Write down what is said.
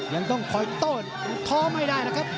ยังต้องคอยโต้ยังท้อไม่ได้นะครับ